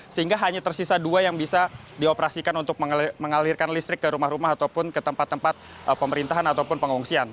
sehingga hanya tersisa dua yang bisa dioperasikan untuk mengalirkan listrik ke rumah rumah ataupun ke tempat tempat pemerintahan ataupun pengungsian